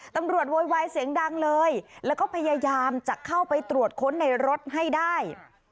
โวยวายเสียงดังเลยแล้วก็พยายามจะเข้าไปตรวจค้นในรถให้ได้